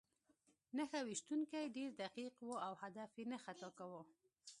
نښه ویشتونکی ډېر دقیق و او هدف یې نه خطا کاوه